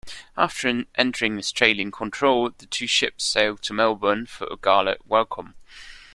After entering Australian control, the two ships sailed to Melbourne for a gala welcome.